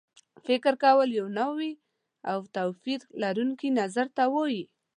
فکر کول یو نوي او توپیر لرونکي نظر ته وایي.